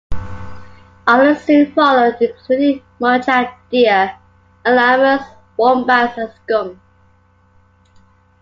Others soon followed, including muntjac deer, llamas, wombats and skunks.